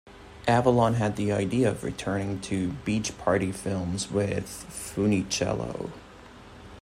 Avalon had the idea of returning to beach party films with Funicello.